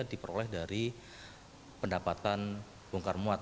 diperoleh dari pendapatan bongkar muat